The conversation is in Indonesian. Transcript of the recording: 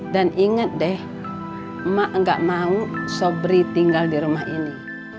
dan ingat deh mak gak mau sobri tinggal di rumah ini